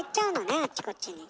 あっちこっちに。